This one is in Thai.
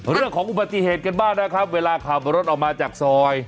เรื่องของอุบัติเหตุกันบ้างนะครับเวลาขับรถออกมาจากซอย